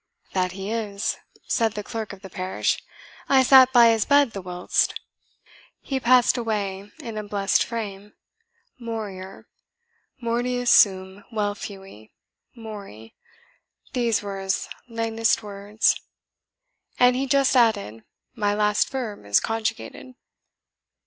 "That he is," said the clerk of the parish; "I sat by his bed the whilst. He passed away in a blessed frame. 'MORIOR MORTUUS SUM VEL FUI MORI' these were his latest words; and he just added, 'my last verb is conjugated."